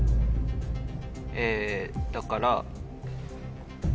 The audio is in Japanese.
えだから。